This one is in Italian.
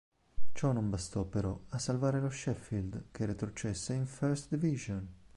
Ciò non bastò però a salvare lo Sheffield, che retrocesse in First Division.